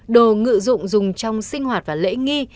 đồ ngự dụng dùng trong sinh hoạt và lễ nghi